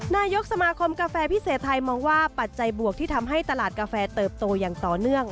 นายกสมาคมกาแฟพิเศษไทยมองว่าปัจจัยบวกที่ทำให้ตลาดกาแฟเติบโตอย่างต่อเนื่อง